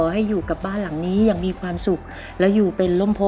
ได้รับทุนไปต่อชีวิต๑หมื่นบาท